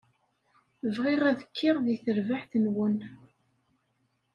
Bɣiɣ ad kkiɣ deg terbaɛt-nwen.